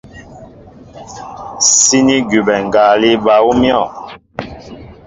Síní gúbɛ ngalí bal ú myɔ̂.